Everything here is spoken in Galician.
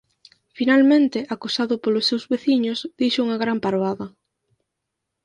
Finalmente, acosado polos seus veciños, dixo unha gran parvada.